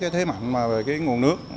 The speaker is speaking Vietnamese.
thế mạnh về nguồn nước